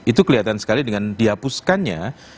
itu kelihatan sekali dengan dihapuskannya